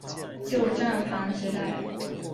旧站房时代。